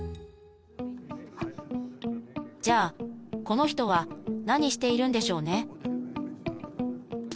じゃあこの人は何しているんでしょうね